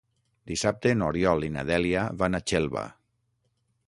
Dissabte n'Oriol i na Dèlia van a Xelva.